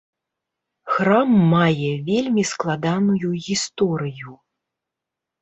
Храм мае вельмі складаную гісторыю.